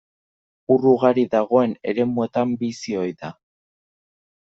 Ur ugari dagoen eremuetan bizi ohi da.